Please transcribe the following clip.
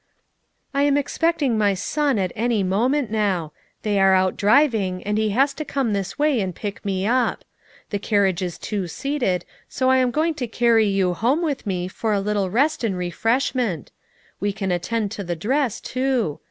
"I am expecting my son at any moment now; they are out driving and he was to come this way and pick me up. The carriage is two seated, so I am going to carry you home with me for a little rest and refreshment; we can attend to the dress, too.